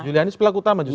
julianis pelaku utama justru